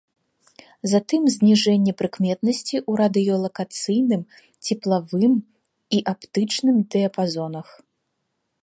Затым зніжэнне прыкметнасці ў радыёлакацыйным, цеплавым і аптычным дыяпазонах.